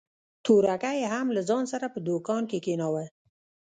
تورکى يې هم له ځان سره په دوکان کښې کښېناوه.